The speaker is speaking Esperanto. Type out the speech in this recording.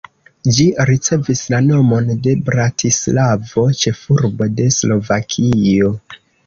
Ĝi ricevis la nomon de Bratislavo, ĉefurbo de Slovakio.